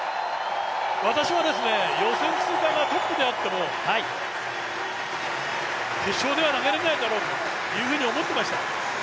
私は予選通過がトップであっても決勝では投げられないだろうというふうに思っていました。